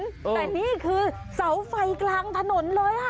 แต่นี่คือเสาไฟกลางถนนเลยค่ะ